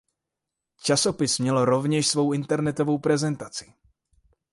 Časopis měl rovněž svou internetovou prezentaci.